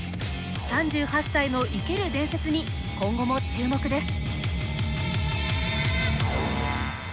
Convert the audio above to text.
３８歳の生ける伝説に今後も注目です。